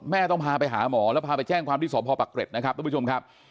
ต้องพาไปหาหมอแล้วพาไปแจ้งความที่สพปักเกร็ดนะครับทุกผู้ชมครับ